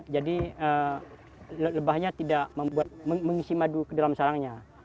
jadi lebahnya tidak mengisi madu ke dalam sarangnya